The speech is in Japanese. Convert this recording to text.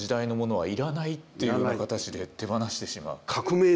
はい。